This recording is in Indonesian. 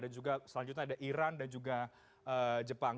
dan juga selanjutnya ada iran dan juga jepang